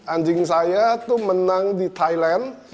anjing saya itu menang di thailand